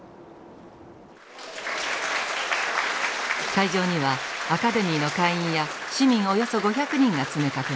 会場にはアカデミーの会員や市民およそ５００人が詰めかけました。